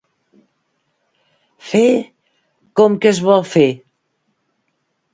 Fer com que es vol fer.